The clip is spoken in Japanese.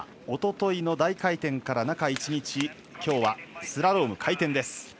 おとといの大回転から中１日、きょうはスラローム回転です。